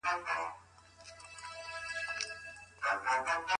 مېوه باید په ډېرې عدل او انصاف سره وویشل شي.